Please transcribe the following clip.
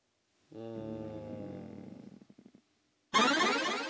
うん。